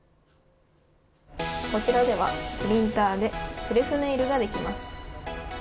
こちらでは、プリンターでセルフネイルができます。